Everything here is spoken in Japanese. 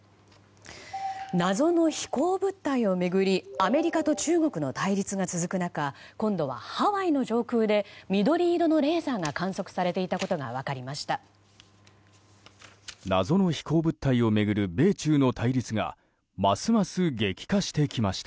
謎の飛行物体を巡りアメリカと中国の対立が続く中今度はハワイの上空で緑色のレーザーが観測されていたことが分かりました。